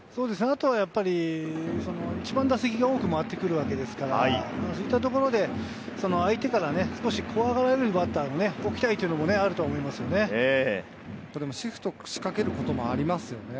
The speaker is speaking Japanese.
あとはやっぱり一番打席が多くまわってくるわけですから、そういったところで相手から少し怖がられるバッターを置きたいというのもあると思いシフトを仕掛けることもありますよね。